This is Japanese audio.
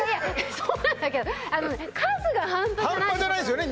そうなんだけどあのね半端じゃないですよね